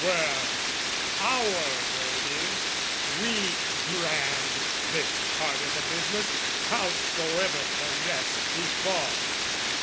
Well, our word is we brand "This part o' the business, howsoever the rest "Befall."